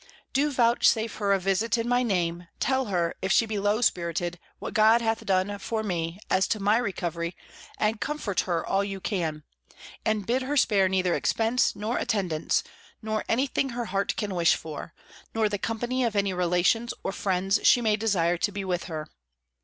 Do vouchsafe her a visit in my name; tell her, if she be low spirited, what God hath done for me, as to my recovery, and comfort her all you can; and bid her spare neither expence nor attendance, nor any thing her heart can wish for; nor the company of any relations or friends she may desire to be with her.